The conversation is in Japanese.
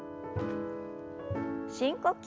深呼吸。